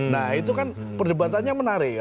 nah itu kan perdebatannya menarik